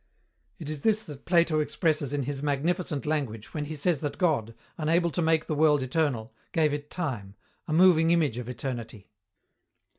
It is this that Plato expresses in his magnificent language when he says that God, unable to make the world eternal, gave it Time, "a moving image of eternity."